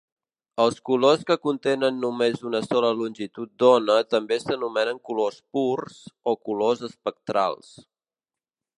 Els colors que contenen només una sola longitud d'ona també s'anomenen colors purs o colors espectrals.